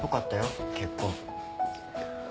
結婚。